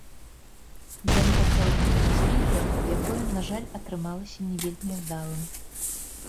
Ён пачаў здымаць відэа, якое, на жаль, атрымалася не вельмі ўдалым.